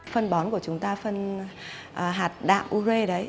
phân bón của chúng ta phân hạt đạm u rê đấy